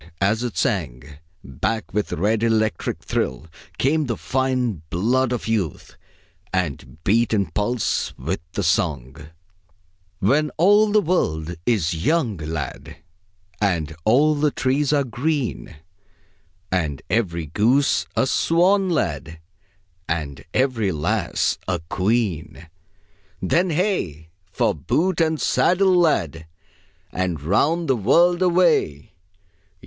And as it sang, back with red electric thrill came the fine blood of youth, and beat in pulse with the song: "When all the world is young, lad, And all the trees are green, And every goose a swan, lad, And every lass a queen. "Then hey! for boot and saddle, lad, And round the world away!